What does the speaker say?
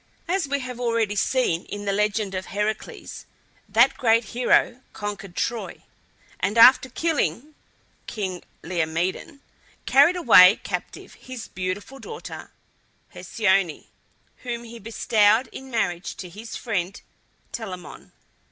As we have already seen in the Legend of Heracles, that great hero conquered Troy, and after killing king Laomedon, carried away captive his beautiful daughter Hesione, whom he bestowed in marriage on his friend Telamon.